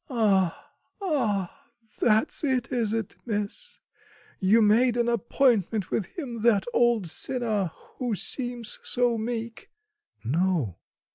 "Ah, ah! That's it, is it, miss; you made an appointment with him, that old sinner, who seems so meek?" "No."